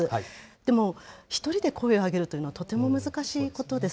でも、１人で声を上げるというのはとても難しいことです。